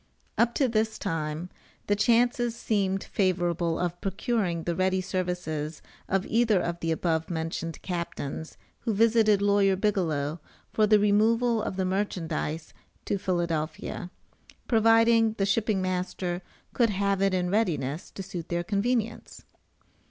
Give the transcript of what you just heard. Up to this time the chances seemed favorable of procuring the ready services of either of the above mentioned captains who visited Lawyer Bigelow for the removal of the merchandize to Philadelphia, providing the shipping master could have it in readiness to suit their convenience.